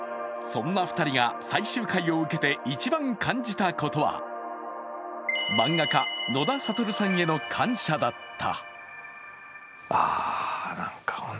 そんな２人が最終回を受けて、１番感じたことは漫画家・野田サトルさんへの感謝だった。